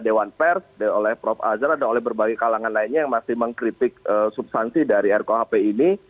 masukan yang disampaikan oleh dewan pers prof azra dan berbagai kalangan lainnya yang masih mengkritik substansi rkuhp ini